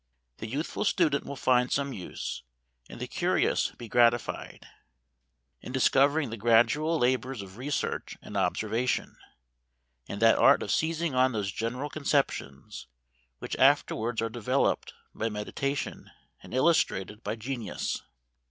The youthful student will find some use, and the curious be gratified, in discovering the gradual labours of research and observation, and that art of seizing on those general conceptions which afterwards are developed by meditation and illustrated by genius.